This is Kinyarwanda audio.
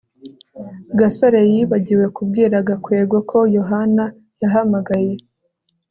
gasore yibagiwe kubwira gakwego ko yohana yahamagaye